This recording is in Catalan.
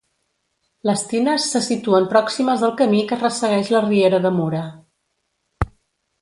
Les tines se situen pròximes al camí que ressegueix la riera de Mura.